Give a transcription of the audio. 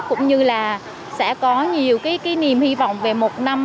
cũng như là sẽ có nhiều cái niềm hy vọng về một năm